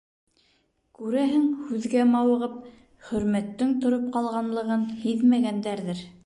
Күрәһең, һүҙгә мауығып, Хөрмәттең тороп ҡалғанлығын һиҙмәгәндәрҙер.